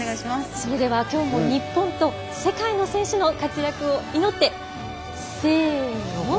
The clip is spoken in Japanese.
きょうも日本と世界の選手の活躍を祈ってせーの。